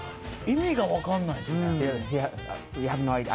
意味が分からないですね。